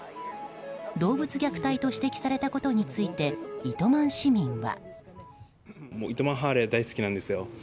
動物虐待と指摘されたことについて糸満市民は。